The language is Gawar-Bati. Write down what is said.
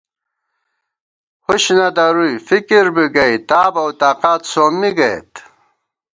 ہُش نہ دَرُوئی فکر بی گئ تاب اؤ تاقات سومّی گئیت